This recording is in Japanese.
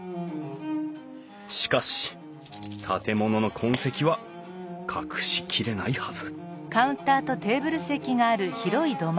しかし建物の痕跡は隠し切れないはず